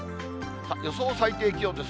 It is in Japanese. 予想最低気温です。